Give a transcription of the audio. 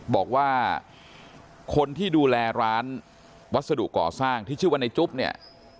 บอกว่าคนที่ดูแลร้านวัสดุก่อสร้างที่ชื่อว่าในจุ๊บเนี่ย